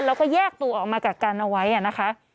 แล้วก็แยกตัวออกมากักกันเอาไว้นะคะ